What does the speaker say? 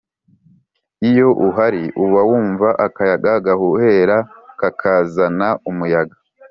Iyo uhari uba wumva akayaga gahuhera kakazana umuyaga